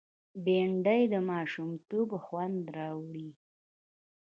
بېنډۍ د ماشومتوب خوند راوړي